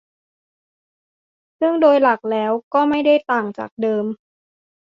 ซึ่งโดยหลักแล้วก็ไม่ได้ต่างจากเดิม